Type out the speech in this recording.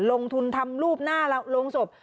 ลงทุนทำรูปหน้าโรงศพ